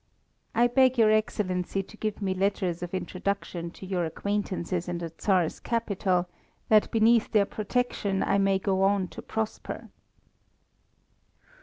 I beg your Excellency to give me letters of introduction to your acquaintances in the Tsar's capital, that beneath their protection I may go on to prosper."